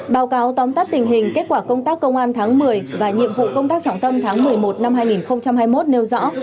báo cáo tóm tắt tình hình kết quả công tác công an tháng một mươi và nhiệm vụ công tác trọng tâm tháng một mươi một năm hai nghìn hai mươi một nêu rõ